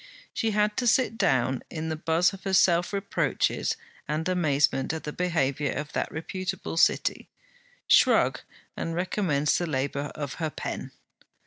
She had to sit down in the buzz of her self reproaches and amazement at the behaviour of that reputable City, shrug, and recommence the labour of her pen.